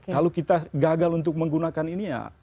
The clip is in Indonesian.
kalau kita gagal untuk menggunakan ini ya